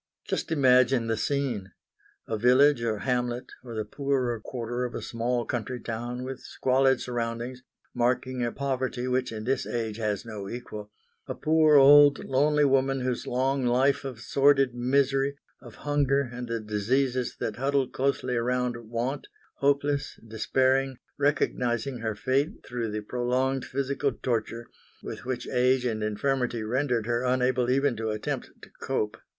Just imagine the scene a village or hamlet, or the poorer quarter of a small country town with squalid surroundings, marking a poverty which in this age has no equal; a poor, old, lonely woman whose long life of sordid misery, of hunger and the diseases that huddle closely around want, hopeless, despairing, recognising her fate through the prolonged physical torture with which age and infirmity rendered her unable even to attempt to cope.